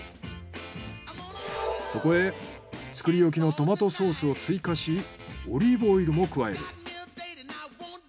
そこへ作り置きのトマトソースを追加しオリーブオイルも加える。